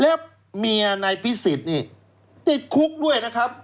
แล้วเมียนายพิสิทธิ์นี่ติดคุกด้วยนะครับ